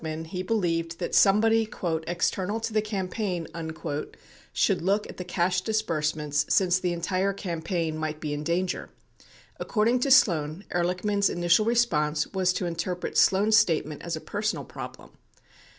42 Ehrlichman he believed that somebody "external to the campaign" should look at the cash disbursements since the entire campaign might be in danger. According to Sloan, Ehrlichman's initial response was to interpret Sloan's statement as a personal problem.